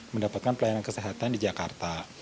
mendapatkan pelayanan kesehatan di jakarta